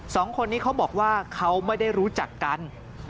สองคนนี้เขาบอกว่าเขาไม่ได้รู้จักกัน